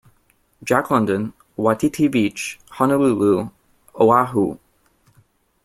Jack London, Waikiki Beach, Honolulu, Oahu.